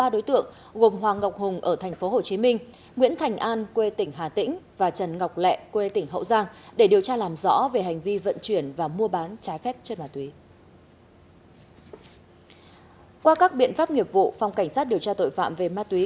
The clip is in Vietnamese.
ba đối tượng gồm hoàng ngọc hùng ở tp hcm nguyễn thành an quê tỉnh hà tĩnh và trần ngọc lẹ quê tỉnh hậu giang để điều tra làm rõ về hành vi vận chuyển và mua bán trái phép trên ma túy